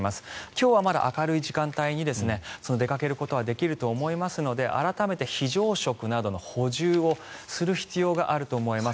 今日はまだ明るい時間帯に出かけることはできると思いますので改めて非常食などの補充をする必要があると思います。